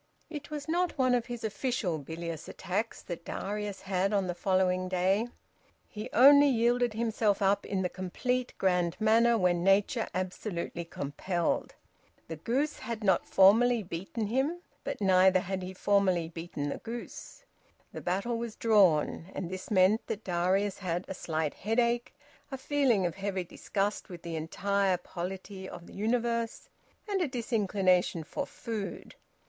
It was not one of his official bilious attacks that Darius had on the following day; he only yielded himself up in the complete grand manner when nature absolutely compelled. The goose had not formally beaten him, but neither had he formally beaten the goose. The battle was drawn, and this meant that Darius had a slight headache, a feeling of heavy disgust with the entire polity of the universe, and a disinclination for food.